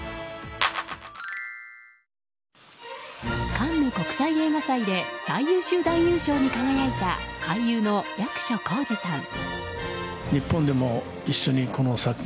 カンヌ国際映画祭で最優秀男優賞に輝いた俳優の役所広司さん。